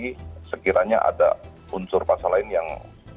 jadi sekiranya ada unsur pasal lain yang